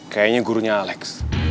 kayaknya gurunya alex